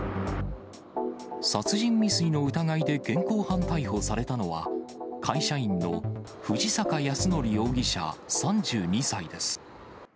殺人未遂の疑いで現行犯逮捕されたのは、会社員の藤坂泰徳容疑者３２歳です。